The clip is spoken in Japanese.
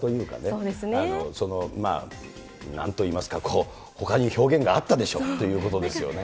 そのなんといいますか、ほかに表現があったでしょっていうことですよね。